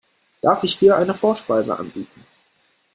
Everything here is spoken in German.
Darf ich dir eine Vorspeise anbieten?